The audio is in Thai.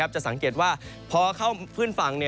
จะสังเกตว่าพอเข้าพื้นฝั่ง